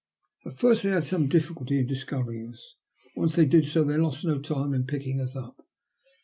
At first they had some difficulty in dis covering us, but once they did so they lost no time in picking us up.